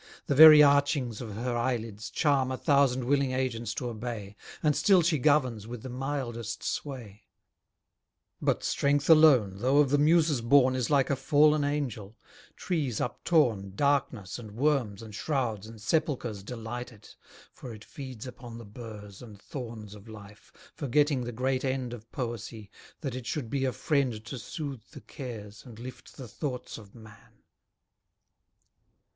The very archings of her eye lids charm A thousand willing agents to obey, And still she governs with the mildest sway: But strength alone though of the Muses born Is like a fallen angel: trees uptorn, Darkness, and worms, and shrouds, and sepulchres Delight it; for it feeds upon the burrs, And thorns of life; forgetting the great end Of poesy, that it should be a friend To sooth the cares, and lift the thoughts of man.